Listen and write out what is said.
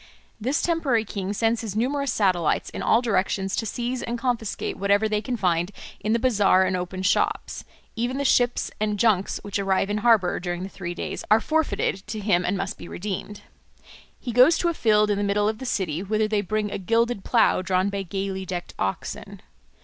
This temporary king sends his numerous satellites in all directions to seize and confiscate whatever they can find in the bazaar and open shops; even the ships and junks which arrive in harbour during the three days are forfeited to him and must be redeemed. He goes to a field in the middle of the city, whither they bring a gilded plough drawn by gaily decked oxen.